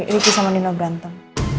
riki sama nino berantem